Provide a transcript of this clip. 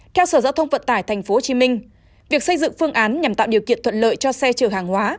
theo sở giao thông vận tải tp hcm việc xây dựng phương án nhằm tạo điều kiện thuận lợi cho xe chở hàng hóa